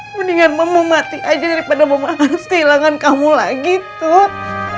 mendingan mama mati aja daripada mama harus kehilangan kamu lagi tuh